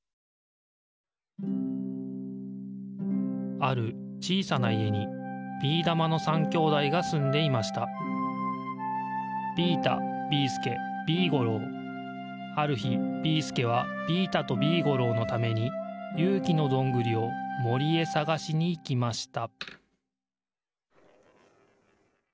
あるちいさないえにビーだまの３兄弟がすんでいましたあるひビーすけはビータとビーゴローのためにゆうきのドングリをもりへさがしにいきました